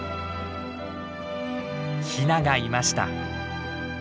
ヒナがいました。